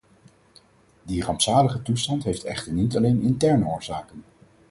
Die rampzalige toestand heeft echter niet alleen interne oorzaken.